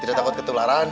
tidak takut ketularan